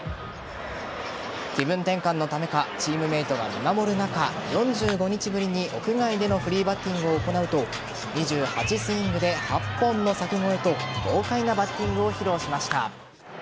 気分転換のためかチームメートが見守る中４５日ぶりに屋外でのフリーバッティングを行うと２８スイングで８本の柵越えと豪快なバッティングを披露しました。